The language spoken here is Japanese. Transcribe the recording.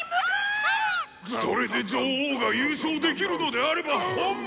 「それで女王が優勝できるのであれば本望！」。